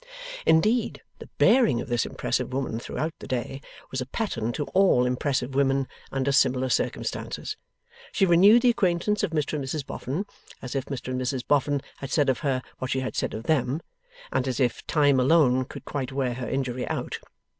Indeed, the bearing of this impressive woman, throughout the day, was a pattern to all impressive women under similar circumstances. She renewed the acquaintance of Mr and Mrs Boffin, as if Mr and Mrs Boffin had said of her what she had said of them, and as if Time alone could quite wear her injury out.